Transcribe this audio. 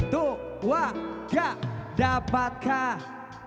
tuh wah gak dapatkah